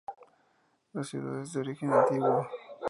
La ciudad es de origen antiguo.